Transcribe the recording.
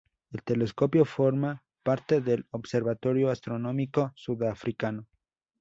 El telescopio forma parte del Observatorio Astronómico Sudafricano.